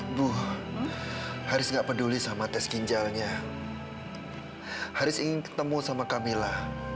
ibu haris gak peduli sama tes ginjalnya haris ingin ketemu sama camilla